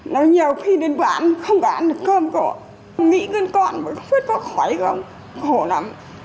nói nhiều khi đến bán không có ăn được cơm không có nghỉ cơn con không có khuất không có khói không có khổ lắm